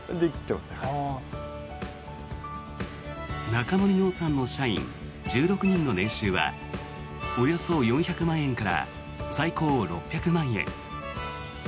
中森農産の社員１６人の年収はおよそ４００万円から最高６００万円。